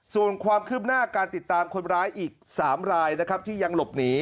ส่วนความคืบหน้าการติดตามคนร้ายอีก๓รายนะครับที่ยังหลบหนี